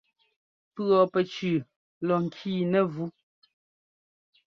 Pʉ̈ pɛcʉʉ lɔ ŋkii nɛ́vú.